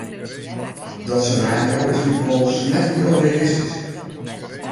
Dat senario is lykwols net hiel realistysk.